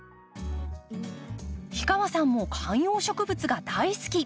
氷川さんも観葉植物が大好き。